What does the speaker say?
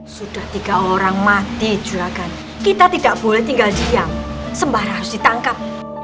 sudah tiga orang mati julagan kita tidak boleh tinggal diam sembarang harus ditangkap